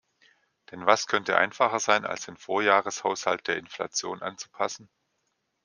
Denn was könnte einfacher sein, als den Vorjahreshaushalt der Inflation anzupassen?